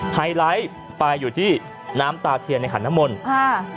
ไฮไลท์ไปอยู่ที่น้ำตาเทียนในขันน้ำมนต์อ่า